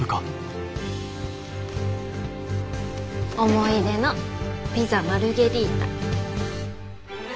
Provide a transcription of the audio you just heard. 「思い出のピザ・マルゲリータ」。